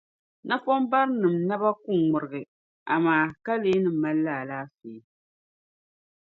napɔmbarinim’ naba ku ŋmirigi, amaa ka lee ni malila alaafee.